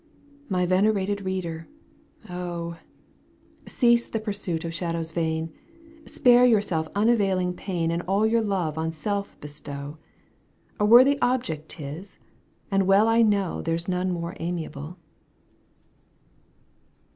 My venerated reader, oh ! Cease the pursuit of shadows vaii^, Spare yourself imavafling pain And all your love on self bestow ; A worthy object 'tis, and weU I know there's none more amiable.